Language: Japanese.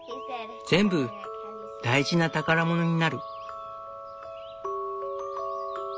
全部大事な宝物になる。